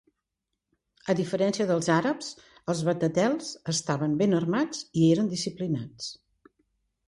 A diferència dels àrabs, els batetels estaven ben armats i eren disciplinats.